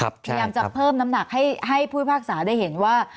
พยายามจะเพิ่มน้ำหนักให้ผู้พิพากษาได้เห็นว่า